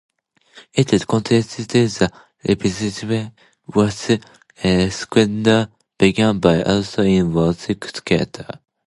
It continues the exploits of Wraith Squadron begun by Allston in "Wraith Squadron".